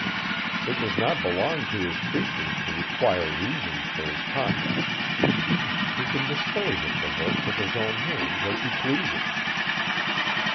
It does not belong to his creatures to require reasons for his conduct. He can dispose of the works of his own hands as he pleases.